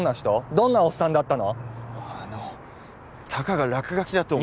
どんなおっさんだったの！？